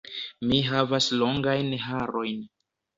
Mi havas longajn harojn.